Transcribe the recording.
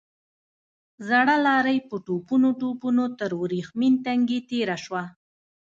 زړه لارۍ په ټوپونو ټوپونو تر ورېښمين تنګي تېره شوه.